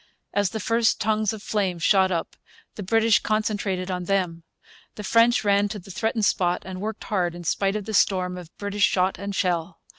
As the first tongues of flame shot up the British concentrated on them. The French ran to the threatened spot and worked hard, in spite of the storm of British shot and shell.